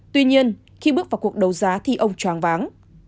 tuy nhiên khi bước vào cuộc đấu giá thì ông choáng váng